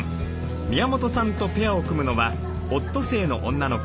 宮本さんとペアを組むのはオットセイの女の子